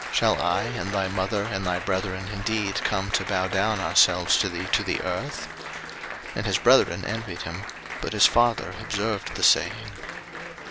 Shall I and thy mother and thy brethren indeed come to bow down ourselves to thee to the earth? 01:037:011 And his brethren envied him; but his father observed the saying.